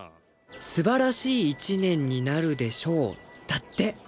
「すばらしい１年になるでしょう」だって。